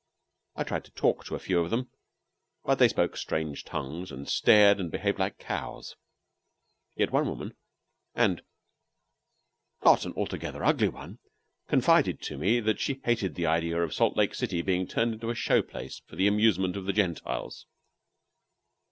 I tried to talk to a few of them, but they spoke strange tongues, and stared and behaved like cows. Yet one woman, and not an altogether ugly one, confided to me that she hated the idea of Salt Lake City being turned into a show place for the amusement of the Gentiles.